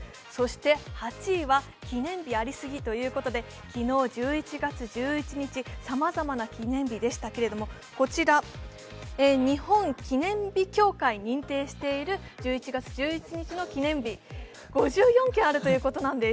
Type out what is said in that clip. ８位は記念日ありすぎということで昨日１１月１１日はさまざまな記念日でしたけれども、こちら、日本記念日協会が認定している１１月１１日の記念日５４件あるということなんです。